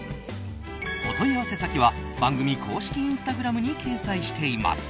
お問い合わせ先は番組公式インスタグラムに掲載しています。